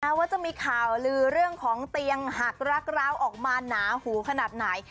ว่าจะมีข่าวลือเรื่องของเตียงหักรักร้าวออกมาหนาหูขนาดไหน